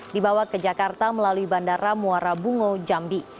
dibawa ke jakarta melalui bandara muara bungo jambi